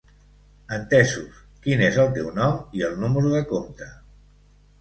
Entesos, quin és el teu nom i el número de compte?